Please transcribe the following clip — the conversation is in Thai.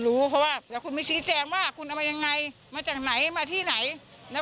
ลุกบ้านกรรมไม่ยอมและลุกบ้านมันไม่เยอะ